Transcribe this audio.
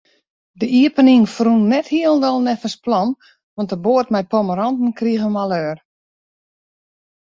De iepening ferrûn net hielendal neffens plan, want de boat mei pommeranten krige maleur.